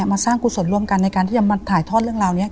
มาสร้างกุศลร่วมกันในการที่จะมาถ่ายทอดเรื่องราวนี้